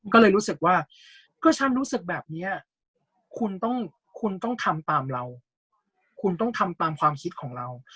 ก็เลยรู้สึกว่าก็ฉันรู้สึกแบบนี้คุณต้องคุณต้องทำตามเราคุณต้องทำตามความคิดของเรา